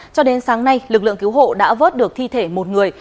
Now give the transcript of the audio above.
cho đến sáng nay lực lượng cứu hộ đã vớt được thi thể một người